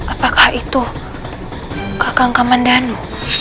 apakah itu kakang kaman danu